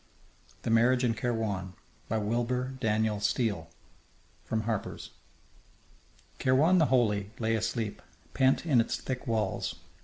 THE MARRIAGE IN KAIRWAN By WILBUR DANIEL STEELE From Harper's Kairwan the Holy lay asleep, pent in its thick walls.